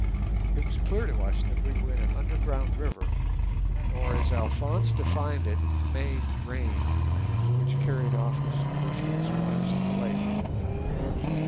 It was clear to us that we were in an underground river or, as Alphonse defined it, "main drain", which carried off the superfluous waters of the lake.